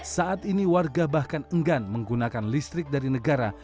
saat ini warga bahkan enggan menggunakan listrik dari negara